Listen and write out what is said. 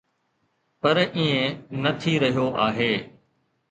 پر ائين نه ٿي رهيو آهي.